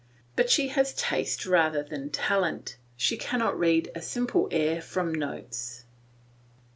But she has taste rather than talent; she cannot read a simple air from notes.